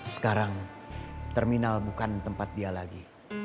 sekarang terminal bukan tempat dia lagi